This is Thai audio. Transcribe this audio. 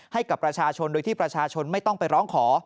ให้กับประชาชนโดยที่ประชาชนไม่ต้องไปร้องขอ